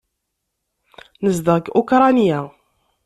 Nezdeɣ deg Ukṛanya.